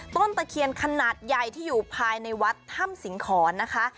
ตะเคียนขนาดใหญ่ที่อยู่ภายในวัดถ้ำสิงหอนนะคะ